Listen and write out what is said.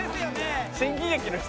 新喜劇の人？